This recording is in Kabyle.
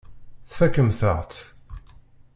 Tfakemt-aɣ-tt.